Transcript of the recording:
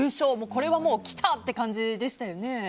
これは、もうきた！って感じでしたよね。